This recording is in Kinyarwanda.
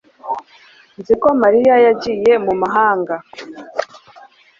nzi ko mariya yagiye mu mahanga